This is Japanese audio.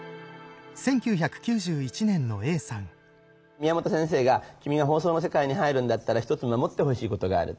宮本先生が君が放送の世界に入るんだったら一つ守ってほしいことがある。